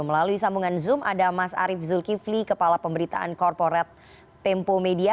melalui sambungan zoom ada mas arief zulkifli kepala pemberitaan korporat tempo media